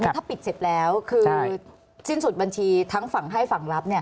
ถ้าปิดเสร็จแล้วคือสิ้นสุดบัญชีทั้งฝั่งให้ฝั่งรับ